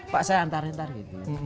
pak saya antar antar gitu